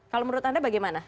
kalau menurut anda bagaimana